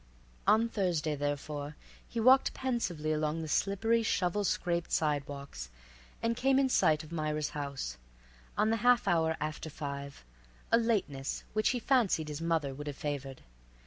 On Thursday, therefore, he walked pensively along the slippery, shovel scraped sidewalks, and came in sight of Myra's house, on the half hour after five, a lateness which he fancied his mother would have favored.